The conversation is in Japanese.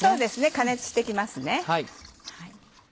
加熱していきますね。